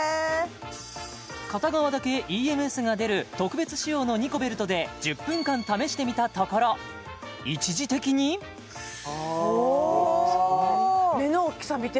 片側だけＥＭＳが出る特別仕様のニコベルトで１０分間試してみたところ一時的に目の大きさ見て？